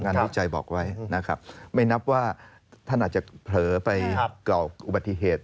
วิจัยบอกไว้นะครับไม่นับว่าท่านอาจจะเผลอไปก่ออุบัติเหตุ